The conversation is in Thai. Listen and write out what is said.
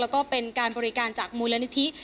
แล้วก็เป็นการบริการจากมูลนิธิ